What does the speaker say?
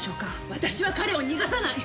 私は彼を許さない！